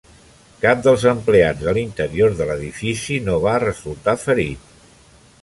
Cap dels empleats de l'interior de l'edifici no va resultar ferit.